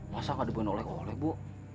masa gak dibuat oleh oleh bu